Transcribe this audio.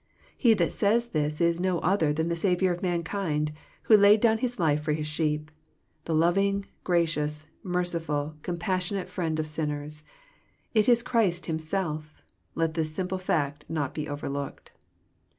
He that says this is no other than the Savioui^flf mankind, who laid down His life for his sheep, — the loving^ gracions, merciful, compas sionate Friend of sinners^^^It is Christ Himself J Let this simple fact not be overlookeii.